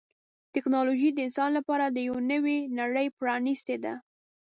ټکنالوجي د انسان لپاره یوه نوې نړۍ پرانستې ده.